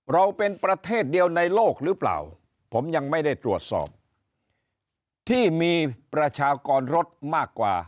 เราเป็นประเทศเดียวในโลกหรือเปล่าผมยังไม่ได้ตรวจสอบที่มีประชากรรถมากกว่า